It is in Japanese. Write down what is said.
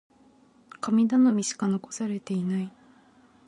神頼みしか残されていない。